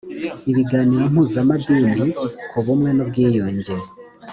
ibiganiro mpuzamadini ku bumwe n ubwiyunge